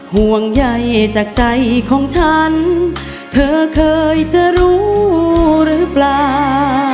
ห่วงใยจากใจของฉันเธอเคยจะรู้หรือเปล่า